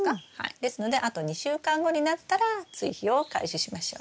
ですのであと２週間後になったら追肥を開始しましょう。